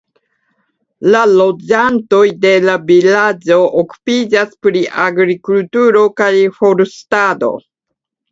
La loĝantoj de la vilaĝo okupiĝas pri agrikulturo kaj forstado.